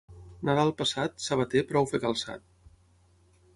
Nadal passat, sabater, prou fer calçat.